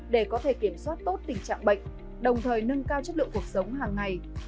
để có thể kiểm soát tốt tình trạng bệnh đồng thời nâng cao chất lượng cuộc sống hàng ngày